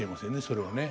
それはね。